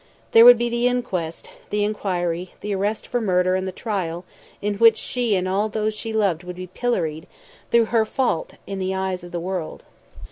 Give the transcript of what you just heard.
There would be the inquest, the inquiry, the arrest for murder and the trial, in which she and all those she loved would be pilloried, through her fault, in the eyes of the world.